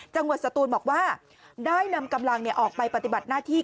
สตูนบอกว่าได้นำกำลังออกไปปฏิบัติหน้าที่